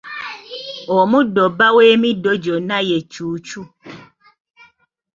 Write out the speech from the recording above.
Omuddo bba w'emiddo gyonna ye cuucu